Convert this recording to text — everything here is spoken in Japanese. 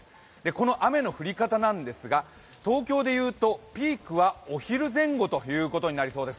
この雨の降り方なんですが、東京でいうとピークはお昼前後ということになりそうです。